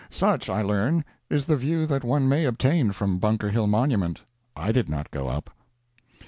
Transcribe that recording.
Such, I learn, is the view that one may obtain from Bunker Hill Monument. I did not go up.